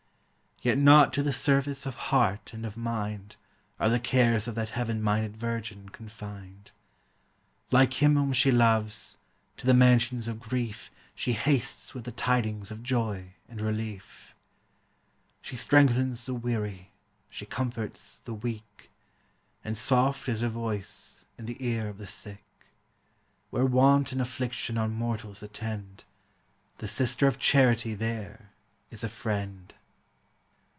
Yet not to the service of heart and of mind Are the cares of that heaven minded virgin confined: Like Him whom she loves, to the mansions of grief She hastes with the tidings of joy and relief. She strengthens the weary, she comforts the weak, And soft is her voice in the ear of the sick; Where want and affliction on mortals attend, The Sister of Charity there is a friend.